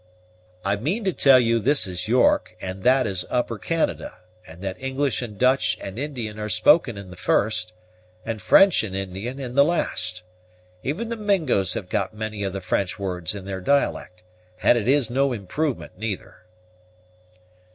"I mean to tell you this is York, and that is Upper Canada; and that English and Dutch and Indian are spoken in the first, and French and Indian in the last. Even the Mingos have got many of the French words in their dialect, and it is no improvement, neither."